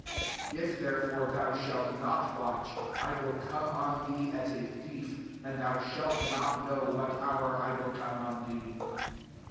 If therefore thou shalt not watch, I will come [^on thee] as a thief, and thou shalt not know what hour I will come on thee.